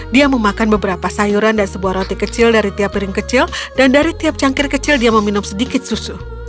dia memakan beberapa sayuran dan sebuah roti kecil dari tiap piring kecil dan dari tiap cangkir kecil dia meminum sedikit susu